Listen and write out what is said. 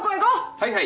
はいはい！